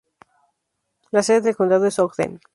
La sede del condado es Ogden.